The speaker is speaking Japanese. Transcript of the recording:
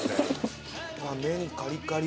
麺カリカリ。